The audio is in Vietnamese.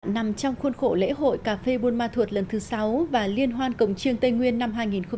nằm trong khuôn khổ lễ hội cà phê buôn ma thuột lần thứ sáu và liên hoan cổng chiêng tây nguyên năm hai nghìn hai mươi